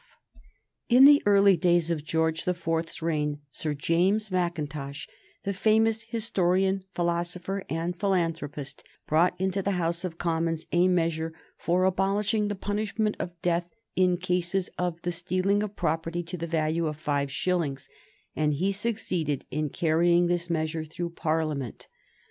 [Sidenote: 1820 Offences that entailed the death penalty] In the early days of George the Fourth's reign Sir James Mackintosh, the famous historian, philosopher, and philanthropist, brought into the House of Commons a measure for abolishing the punishment of death in cases of the stealing of property to the value of five shillings, and he succeeded in carrying his measure through Parliament.